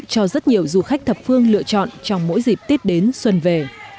cho rất nhiều du khách thập phương lựa chọn trong mỗi dịp tết đến xuân về